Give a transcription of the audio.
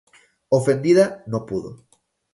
Ofendida, no pudo